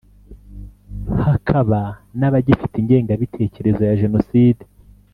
hakaba n’abagifite ingengabitekerezo ya jenoside